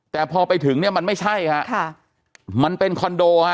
แต่พอไปถึงเนี่ยมันไม่ใช่ฮะค่ะมันเป็นคอนโดฮะ